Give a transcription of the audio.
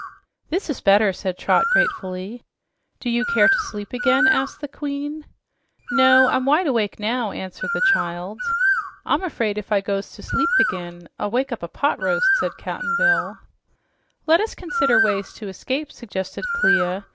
"This is better," said Trot gratefully. "Do you care to sleep again?" asked the Queen. "No, I'm wide awake now," answered the child. "I'm afraid if I goes to sleep ag'in, I'll wake up a pot roast," said Cap'n Bill. "Let us consider ways to escape," suggested Clia.